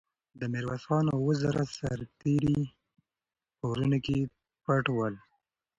د میرویس خان اوه زره سرتېري په غرونو کې پټ ول.